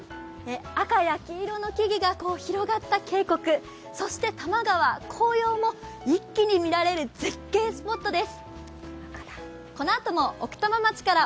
赤や黄色の木々が広がった渓谷、多摩川、紅葉も一気に見られる絶景スポットです。